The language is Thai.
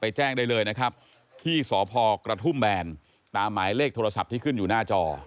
แจ้งได้เลยนะครับที่สพกระทุ่มแบนตามหมายเลขโทรศัพท์ที่ขึ้นอยู่หน้าจอ